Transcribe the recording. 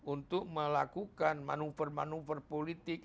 untuk melakukan manuver manuver politik